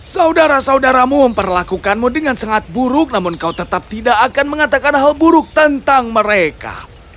saudara saudaramu memperlakukanmu dengan sangat buruk namun kau tetap tidak akan mengatakan hal buruk tentang mereka